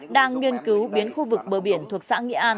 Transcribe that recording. đang nghiên cứu biến khu vực bờ biển thuộc xã nghĩa an